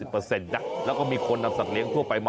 มันแล้วแต่ความสุขทัน